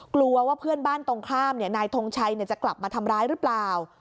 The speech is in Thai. กลัวว่าเพื่อนบ้านตรงข้ามนายทงชัยจะกลับมาทำร้ายหรือเปล่า